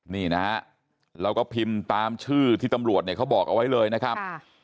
นี่นะฮะเราก็พิมพ์ตามชื่อที่ตำรวจเนี่ยเขาบอกเอาไว้เลยนะครับ